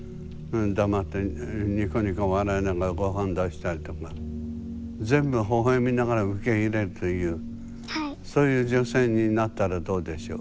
黙ってニコニコ笑いながら御飯出したりとか全部ほほえみながら受け入れるというそういう女性になったらどうでしょう？